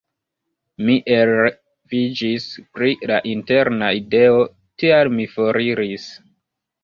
Mi elreviĝis pri la interna ideo, tial mi foriris.